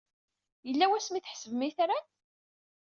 Yella wasmi ay tḥesbem itran?